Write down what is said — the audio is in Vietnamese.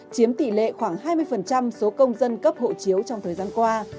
chiếm tỷ lệ khoảng hai mươi số công dân cấp hộ chiếu trong thời gian qua